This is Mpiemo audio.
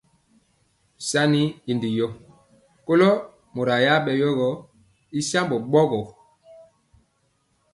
Sanni y ndi yɔ kolo mora ya bɛ yogɔ y sambɔ bɔɔgɔ.